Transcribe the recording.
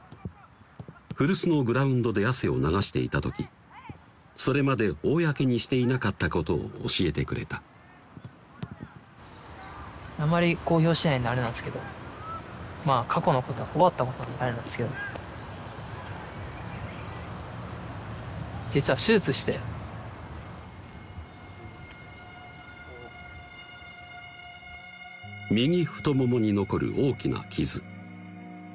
古巣のグラウンドで汗を流していた時それまで公にしていなかったことを教えてくれたあまり公表してないんであれなんですけどまぁ過去のこと終わったことなんであれなんですけど右太ももに残る大きな傷